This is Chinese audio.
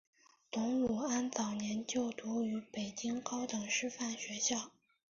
董鲁安早年就读于北京高等师范学校。